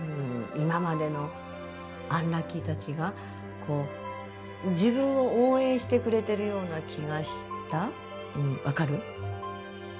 今までのアンラッキーたちがこう自分を応援してくれてるような気がしたうん分かる？